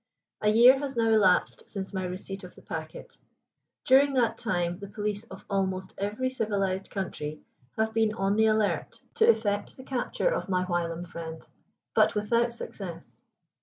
A year has now elapsed since my receipt of the packet. During that time the police of almost every civilized country have been on the alert to effect the capture of my whilom friend, but without success.